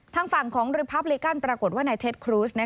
ทางฝั่งของรีพับลิกันปรากฏว่านายเท็จครูส